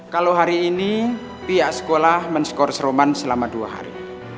kalau hari ini pihak sekolah men skor seroman selama dua hari